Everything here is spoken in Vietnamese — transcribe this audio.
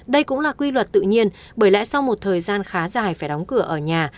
đây cũng là quy luật tự nhiên bởi lẽ sau một thời gian khá dài phải đóng cửa ở nhà